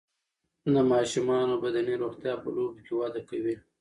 د ماشومانو بدني روغتیا په لوبو کې وده کوي.